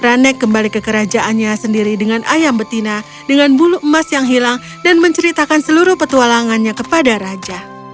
rane kembali ke kerajaannya sendiri dengan ayam betina dengan bulu emas yang hilang dan menceritakan seluruh petualangannya kepada raja